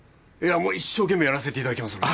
一生懸命やらせていただきますので。